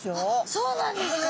そうなんですか？